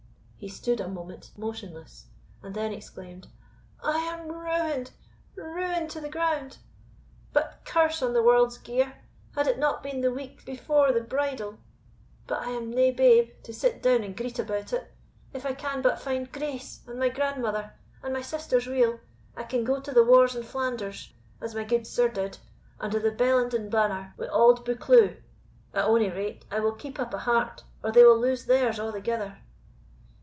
He stood a moment motionless, and then exclaimed, "I am ruined ruined to the ground! But curse on the warld's gear Had it not been the week before the bridal But I am nae babe, to sit down and greet about it. If I can but find Grace, and my grandmother, and my sisters weel, I can go to the wars in Flanders, as my gude sire did, under the Bellenden banner, wi' auld Buccleuch. At ony rate, I will keep up a heart, or they will lose theirs a'thegither."